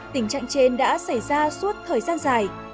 tình trạng trên đã xảy ra suốt thời gian dài